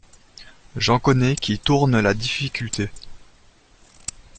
J'en connais qui tournent la difficulté.